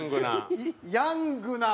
ヤングな。